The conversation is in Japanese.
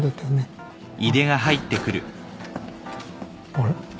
あれ？